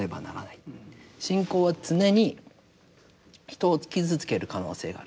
信仰は常に人を傷つける可能性がある。